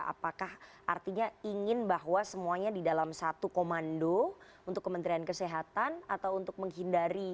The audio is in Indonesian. apakah artinya ingin bahwa semuanya di dalam satu komando untuk kementerian kesehatan atau untuk menghindari